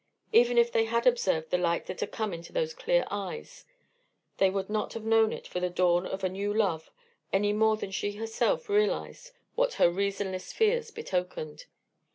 Even if they had observed the light that had come into those clear eyes, they would not have known it for the dawn of a new love any more than she herself realized what her reasonless fears betokened.